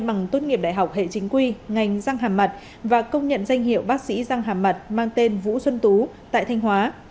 ông nhận danh hiệu bác sĩ răng hàm mặt mang tên vũ xuân tú tại thanh hóa